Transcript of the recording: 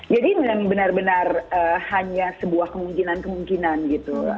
jadi memang benar benar hanya sebuah kemungkinan kemungkinan gitu